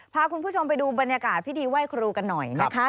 พาคุณผู้ชมไปดูบรรยากาศพิธีไหว้ครูกันหน่อยนะคะ